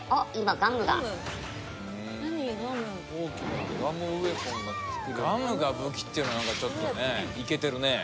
ガムが武器っていうのちょっといけてるね。